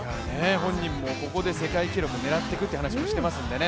本人もここで世界記録を狙っていくと話していますからね。